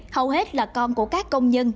hầu hết là con của các công nhân